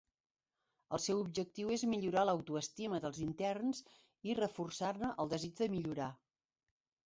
El seu objectiu és millorar l'autoestima dels interns i reforçar-ne el desig de millorar.